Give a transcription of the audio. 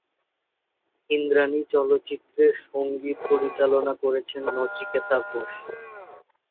ইন্দ্রাণী চলচ্চিত্রের সঙ্গীত পরিচালনা করেছেন নচিকেতা ঘোষ।